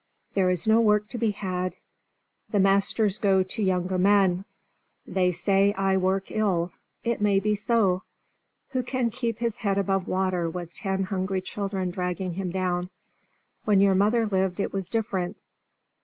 There is no work to be had; the masters go to younger men: they say I work ill; it may be so. Who can keep his head above water with ten hungry children dragging him down? When your mother lived it was different.